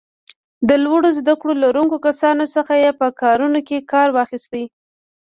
د لوړو زده کړو لرونکو کسانو څخه یې په کارونو کې کار واخیست.